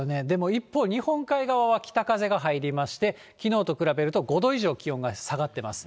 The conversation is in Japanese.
一方、日本海側は北風が入りまして、きのうと比べると５度以上気温が下がってます。